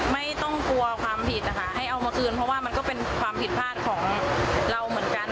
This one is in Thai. ไม่ต้องกลัวความผิดนะคะให้เอามาคืนเพราะว่ามันก็เป็นความผิดพลาดของเราเหมือนกัน